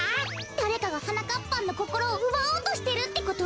だれかがはなかっぱんのこころをうばおうとしてるってこと？